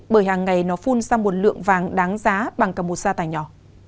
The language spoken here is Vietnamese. bởi hàng ngày nó phun sang một lượng vàng đáng giá bằng cả một sa tài nhỏ